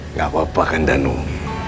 tidak apa apa danum